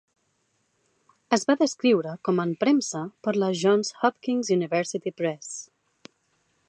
Es va descriure com en premsa per la Johns Hopkins University Press.